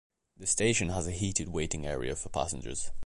The station has a heated waiting area for passengers.